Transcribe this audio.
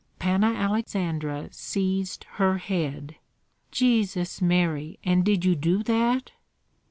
'" Panna Aleksandra seized her head. "Jesus Mary! and did you do that?"